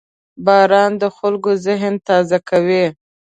• باران د خلکو ذهن تازه کوي.